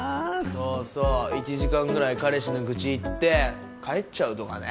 そうそう１時間ぐらい彼氏の愚痴言って帰っちゃうとかね。